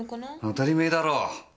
当たりめえだろう！